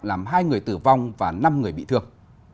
làm hai người tử vong và năm người bị thương